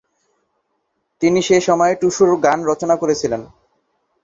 তিনি সে সময়ে টুসু গান রচনা করেছিলেন।